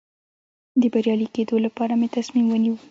د بریالي کېدو لپاره مې تصمیم ونیو.